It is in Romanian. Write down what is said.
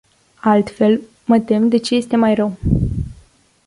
Altfel, mă tem de ce este mai rău.